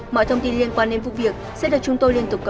mọi thông tin liên quan đến vụ việc sẽ được chúng tôi liên tục cập nhật